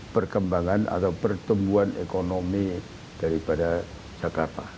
perkembangan atau pertumbuhan ekonomi daripada jakarta